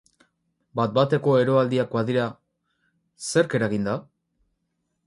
Bat bateko eroaldiak badira, zerk eraginda?